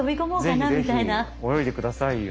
ぜひぜひ泳いで下さいよ。